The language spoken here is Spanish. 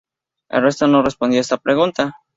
El resto no respondió a esta pregunta.